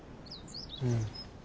うん。